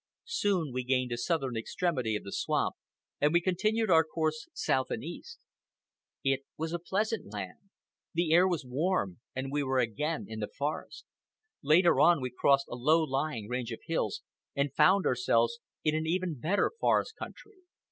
Soon we gained the southern extremity of the swamp, and we continued our course south and east. It was a pleasant land. The air was warm, and we were again in the forest. Later on we crossed a low lying range of hills and found ourselves in an even better forest country.